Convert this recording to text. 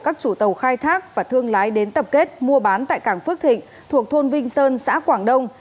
các chủ tàu khai thác và thương lái đến tập kết mua bán tại cảng phước thịnh thuộc thôn vinh sơn xã quảng đông